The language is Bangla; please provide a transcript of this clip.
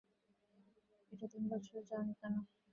এই তিন বছর যাও নি কেন?